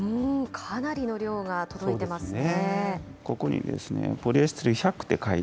かなりの量が届いてますね。